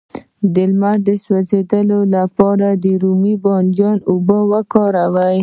د لمر د سوځیدو لپاره د رومي بانجان اوبه وکاروئ